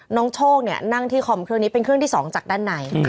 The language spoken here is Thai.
น้องโชคเนี่ยนั่งที่คอมเครื่องนี้เป็นเครื่องที่๒จากด้านใน